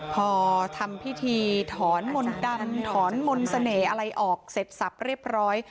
พอทำพิธีถอนมนต์ดำถอนมนต์เสน่ห์อะไรออกเสร็จสับเรียบร้อย